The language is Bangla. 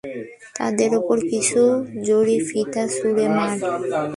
তাদের উপর কিছু জড়ি-ফিতা ছুঁড়ে মার।